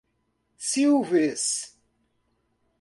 Silves